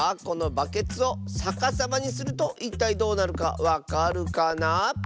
このバケツをさかさまにするといったいどうなるかわかるかな？